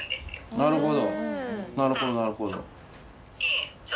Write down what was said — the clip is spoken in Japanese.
なるほど。